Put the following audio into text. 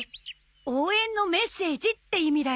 応援のメッセージって意味だよ。